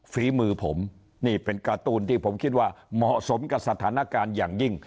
ฝีมือผมนี่เป็นการ์ตูนที่ผมคิดว่าเหมาะสมกับสถานการณ์อย่างยิ่ง